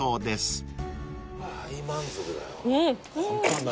大満足だよ。